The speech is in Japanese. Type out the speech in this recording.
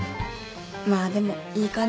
まあでもいい感じじゃん。